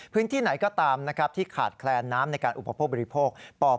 พื้นที่ไหนก็ตามนะครับที่ขาดแคลนน้ำในการอุปโภคบริโภค